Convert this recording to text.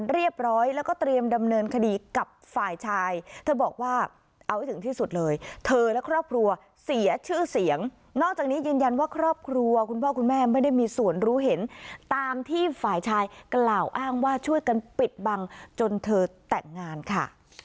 เรียบร้อยแล้วก็เตรียมดำเนินคดีกับฝ่ายชายเธอบอกว่าเอาให้ถึงที่สุดเลยเธอและครอบครัวเสียชื่อเสียงนอกจากนี้ยืนยันว่าครอบครัวคุณพ่อคุณแม่ไม่ได้มีส่วนรู้เห็นตามที่ฝ่ายชายกล่าวอ้างว่าช่วยกันปิดบังจนเธอแต่งงานค่ะ